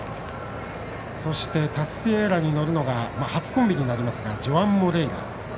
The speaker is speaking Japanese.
そしてタスティエーラに乗るのが初コンビになりますがジョアン・モレイラ。